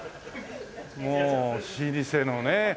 もう老舗のね。